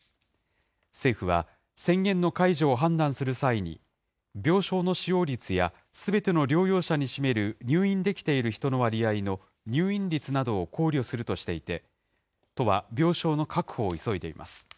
政府は、宣言の解除を判断する際に、病床の使用率やすべての療養者に占める入院できている人の割合の入院率などを考慮するとしていて、都は病床の確保を急いでいます。